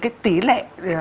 cái tỷ lệ